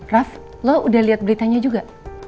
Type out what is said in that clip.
raff lo udah lihat beritanya juga